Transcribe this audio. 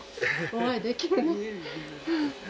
お会いできるの。